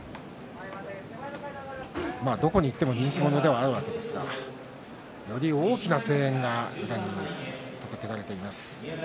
どこに行っても人気者ではあるわけですがより大きな声援が宇良に届けられています。